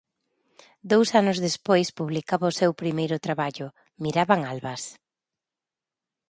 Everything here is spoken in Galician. Dous anos despois publicaba o seu primeiro traballo, Miraban Albas.